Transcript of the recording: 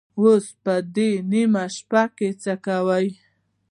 اوس به په دې نيمه شپه کې څه کوو؟